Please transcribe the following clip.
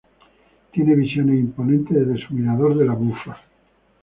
Tiene visiones imponentes desde su mirador de la Bufa.